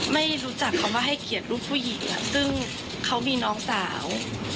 ไม่รู้จักคำว่าให้เกียรติลูกผู้หญิงซึ่งเขามีน้องสาว